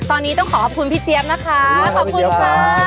ตอนนี้ต้องขอขอบคุณพี่เจี๊ยบนะคะขอบคุณค่ะ